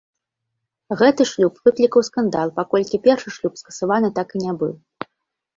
Гэты шлюб выклікаў скандал, паколькі першы шлюб скасаваны так і не быў.